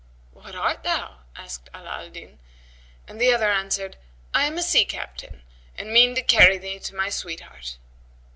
"What art thou?" asked Ala al Din, and the other answered, "I am a sea captain and mean to carry thee to my sweetheart."